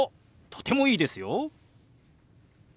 とてもいいですよ。